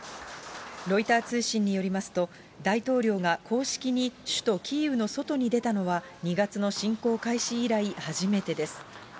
ロイター通信によりますと、大統領が公式に首都キーウの外に出たのは、２月の侵攻開始以来、初めてです。